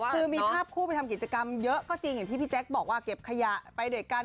คือมีภาพคู่ไปทำกิจกรรมเยอะก็จริงอย่างที่พี่แจ๊คบอกว่าเก็บขยะไปด้วยกัน